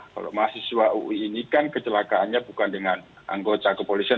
kalau mahasiswa ui ini kan kecelakaannya bukan dengan anggota kepolisian